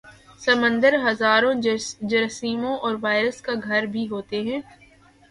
سمندر ہزاروں جراثیموں اور وائرس کا گھر بھی ہوتے ہیں